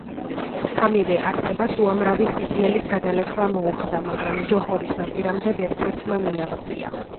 სამივე არსებას უამრავი სიძნელის გადალახვა მოუხდა, მაგრამ ჯოჰორის ნაპირამდე ვერცერთმა მიაღწია.